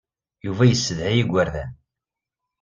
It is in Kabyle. Yuba yessedhay igerdan.